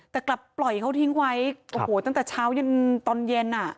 แต่กลับปล่อยเขาทิ้งไว้ตั้งแต่เช้าที่ตอนเย็น